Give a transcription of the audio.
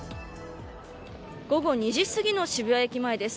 午後２時すぎの渋谷駅前です。